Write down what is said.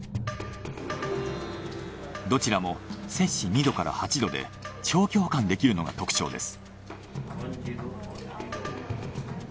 どちらも摂氏２℃から８℃で長期保管できるのが特徴です。